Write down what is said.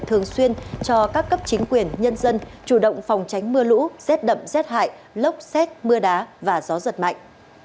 thường xuyên cho các cấp chính quyền nhân dân chủ động phòng tránh mưa lũ rét đậm rét hại lốc xét mưa đá và gió giật mạnh